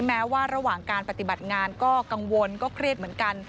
แม้ว่าระหว่างการปฏิบัติงานก็กังวลก็เครียดเหมือนกัน